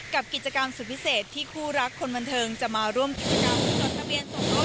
กับกิจกรรมสุดพิเศษที่คู่รักคนบันเทิงจะมาร่วมกิจกรรมจดทะเบียนสมรส